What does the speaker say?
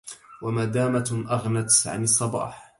ومدامة أغنت عن المصباح